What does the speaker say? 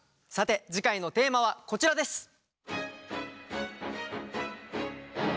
さて次回のテーマはこちらです。